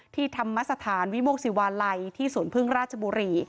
ธรรมสถานวิโมกศิวาลัยที่สวนพึ่งราชบุรี